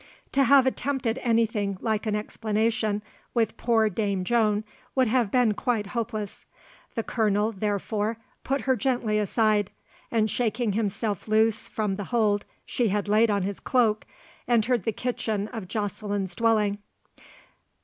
To have attempted anything like an explanation with poor dame Joan, would have been quite hopeless; the Colonel, therefore, put her gently aside, and shaking himself loose from the hold she had laid on his cloak, entered the kitchen of Joceline's dwelling.